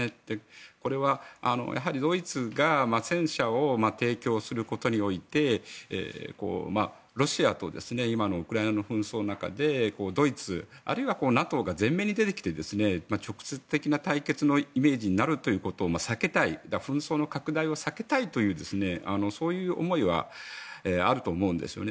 これは、ドイツが戦車を提供することにおいてロシアと今のウクライナの紛争の中でドイツ、あるいはＮＡＴＯが前面に出てきて直接的な対決のイメージになるということを避けたい紛争の拡大を避けたいというそういう思いはあると思うんですよね。